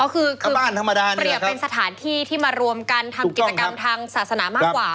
อ๋อคือเปรียบเป็นสถานที่ที่มารวมกันทำกิจกรรมทางศาสนามากกว่า